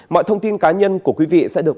mọi thông tin cá nhân của quý vị sẽ được